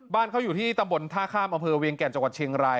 บ้านเขาอยู่ที่ตำบลท่าข้ามอำเภอเวียงแก่นจังหวัดเชียงราย